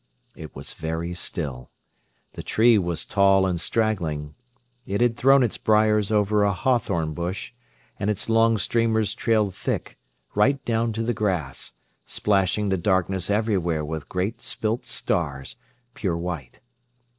It was very still. The tree was tall and straggling. It had thrown its briers over a hawthorn bush, and its long streamers trailed thick, right down to the grass, splashing the darkness everywhere with great spilt stars, pure white.